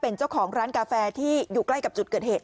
เป็นเจ้าของร้านกาแฟที่อยู่ใกล้กับจุดเกิดเหตุ